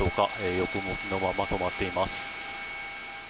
横向きのまま止まっています。